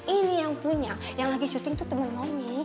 ini yang punya yang lagi syuting tuh temen mami